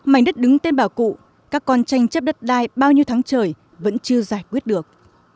mảnh đất đứng tên bảo cụ các con tranh chấp đất đai bao nhiêu tháng trời vẫn chưa giải quyết được